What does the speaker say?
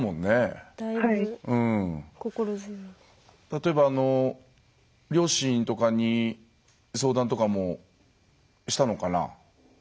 例えば、両親とかに相談とかもしたのかな。